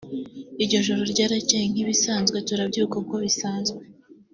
Iryo joro ryarakeye nk’ibisanzwe turabyuka uko bisanzwe